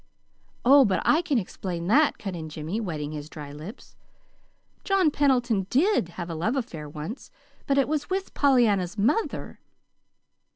"Oh, but I can explain that," cut in Jimmy, wetting his dry lips. "John Pendleton DID have a love affair once, but it was with Pollyanna's mother."